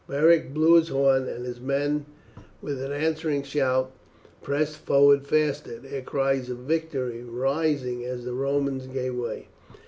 Beric blew his horn, and his men with an answering shout pressed forward faster, their cries of victory rising as the Romans gave way.